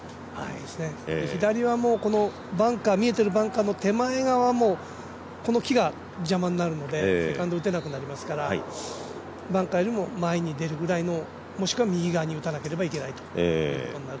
左は見えてるバンカーの手前側、この木が邪魔になるので、セカンド打てなくなりますからバンカーよりも前に出るぐらいの、もしくは右に出ないといけないという。